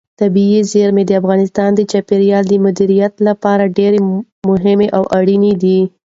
طبیعي زیرمې د افغانستان د چاپیریال د مدیریت لپاره ډېر مهم او اړین دي.